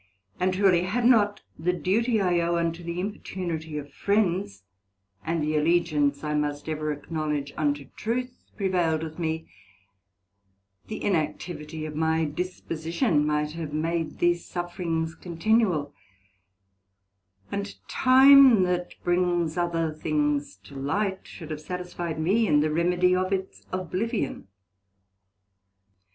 And truely had not the duty I owe unto the importunity of friends, and the allegiance I must ever acknowledge unto truth, prevailed with me; the inactivity of my disposition might have made these sufferings continual, and time that brings other things to light, should have satisfied me in the remedy of its oblivion.